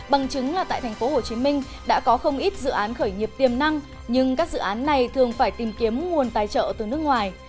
bằng chứng là tại tp hcm đã có không ít dự án khởi nghiệp tiềm năng nhưng các dự án này thường phải tìm kiếm nguồn tài trợ từ nước ngoài